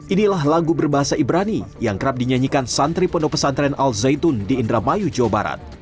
inilah lagu berbahasa ibrani yang kerap dinyanyikan santri pondok pesantren al zaitun di indramayu jawa barat